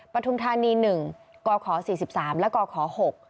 ปทุนทานี๑บาทก่อขอ๔๓บาทและก่อขอ๖บาท